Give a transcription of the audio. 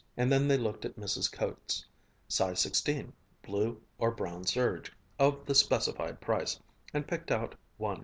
And then they looked at misses' coats, size 16, blue or brown serge, of the specified price; and picked out one.